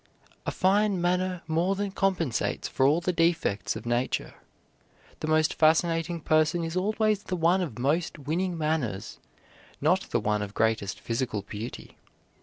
A fine manner more than compensates for all the defects of nature. The most fascinating person is always the one of most winning manners, not the one of greatest physical beauty.